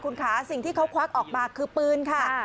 คุณคะสิ่งที่เขาควักออกมาคือปืนค่ะ